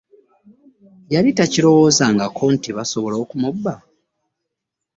Yali takirowoozangako nti basobola okumubba.